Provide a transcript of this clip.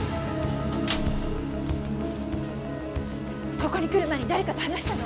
ここに来る前に誰かと話したの？